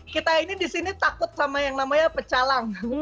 kita ini disini takut sama yang namanya pecalang